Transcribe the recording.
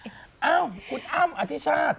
เอ้าคุณอั้มอธิชาติ